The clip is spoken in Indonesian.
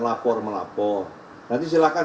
melapor melapor nanti silahkan